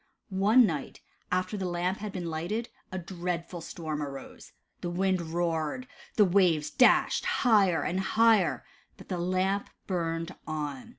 One night after the Lamp had been lighted, a dreadful storm arose. The wind roared. The waves dashed higher and higher, but the Lamp burned on.